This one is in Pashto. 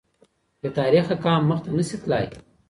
بې تاریخه قام مخته نه سي تلای